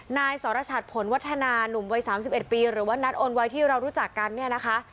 นายสรชัดผลวัฒนานุ่มวัย๓๑ปีหรือว่านัทโอนไว้ที่เรารู้จักกันเนี่ยนะคะ